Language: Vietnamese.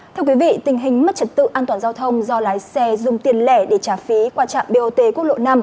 thưa quý vị tình hình mất trật tự an toàn giao thông do lái xe dùng tiền lẻ để trả phí qua trạm bot quốc lộ năm